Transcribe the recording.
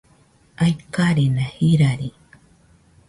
aikarena jirari